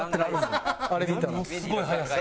ものすごい速さ。